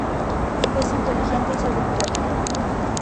Es inteligente y seductora.